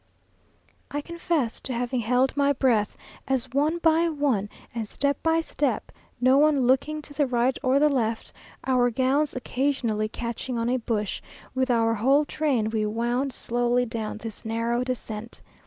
I confess to having held my breath, as one by one, and step by step, no one looking to the right or the left, our gowns occasionally catching on a bush, with our whole train we wound slowly down this narrow descent.